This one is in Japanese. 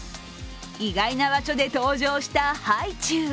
意外な場所で登場したハイチュウ。